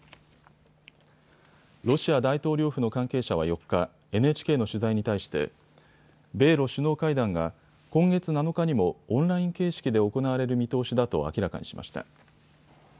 ロシア大統領府の関係者は４日、ＮＨＫの取材に対して米ロ首脳会談が今月７日にもオンライン形式で行われる見通しだと明らかにしました。